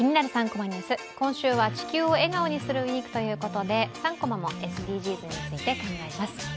３コマニュース」、今週は「地球を笑顔にするＷＥＥＫ」ということで３コマもＳＤＧｓについて、考えます。